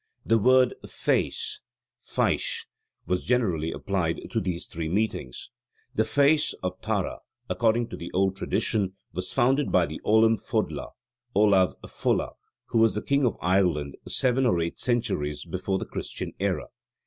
The word Féis [faish] was generally applied to these three meetings. The Féis of Tara, according to the old tradition, was founded by Ollam Fodla [Ollav Fóla], who was king of Ireland seven or eight centuries before the Christian era.